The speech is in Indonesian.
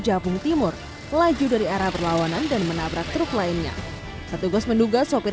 jabung timur laju dari arah perlawanan dan menabrak truk lainnya satu gos menduga sopir